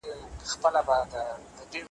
خپل جنون رسوا کمه، ځان راته لیلا کمه `